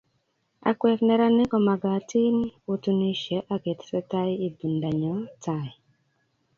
Akwek neranik komagatin otinisie ak ketesetai ibindap nyo tai